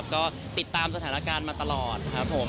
ก็ติดตามสถานการณ์มาตลอดครับผม